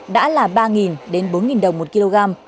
đã là ba đến bốn đồng một kg